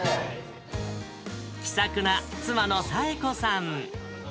気さくな妻のさえこさん。